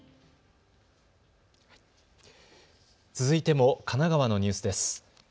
続いても神奈川のニュースです。